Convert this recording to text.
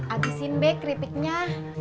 abisin be keripiknya